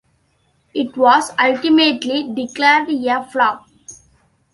It was ultimately declared a flop.